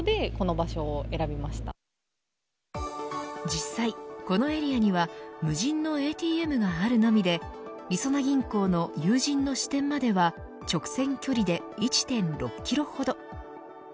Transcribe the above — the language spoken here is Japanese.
実際このエリアには無人のＡＴＭがあるのみでりそな銀行の有人の支店までは直線距離で１．６キロほど。